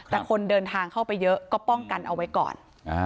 แต่คนเดินทางเข้าไปเยอะก็ป้องกันเอาไว้ก่อน